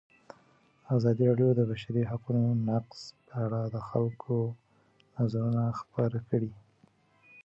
ازادي راډیو د د بشري حقونو نقض په اړه د خلکو نظرونه خپاره کړي.